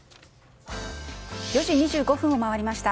４時２５分を回りました。